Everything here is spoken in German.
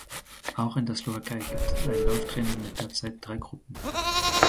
Auch in der Slowakei gibt es ein Lauftraining mit derzeit drei Gruppen.